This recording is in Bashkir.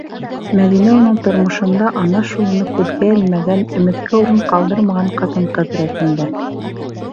Мәҙинә уның тормошонда ана шул уны күҙгә элмәгән, өмөткә урын ҡалдырмаған ҡатын-ҡыҙ рәтендә.